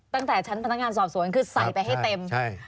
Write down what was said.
ตั้งแต่ชั้นพนักงานสอบสวนคือใส่ไปให้เต็ม